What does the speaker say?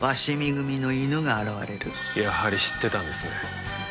やはり知ってたんですね。